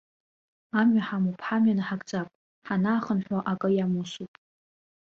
Амҩа ҳамоуп, ҳамҩа наҳагӡап, ҳанаахынҳәуа акы иамусуп.